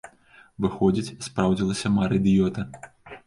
Выходзіць, спраўдзілася мара ідыёта?